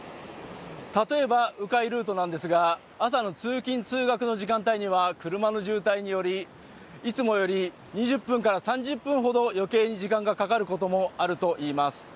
例えば迂回ルートなんですが朝の通勤・通学の時間帯には車の渋滞により、いつもより２０分から３０分ほど余計に時間がかかることもあるといいます。